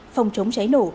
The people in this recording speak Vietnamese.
phòng chống cháy nổ